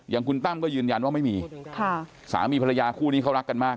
อย่างคุณตั้มก็ยืนยันว่าไม่มีสามีภรรยาคู่นี้เขารักกันมาก